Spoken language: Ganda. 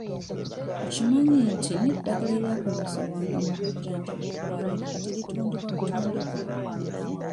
Okimanyi nti n'eddagala eryakozesebwanga mu kujjanjabira obwereere kati litundibwa butundibwa?